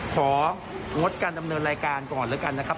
ของงดการดำเนินรายการก่อนแล้วกันนะครับ